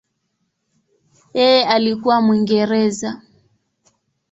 Yeye alikuwa Mwingereza.